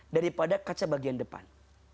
daripada kaca bagian depan